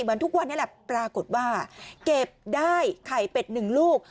เหมือนทุกวันนี้แหละปรากฏว่าเก็บได้ไข่เป็ดหนึ่งลูก